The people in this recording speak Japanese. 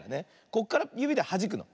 こっからゆびではじくの。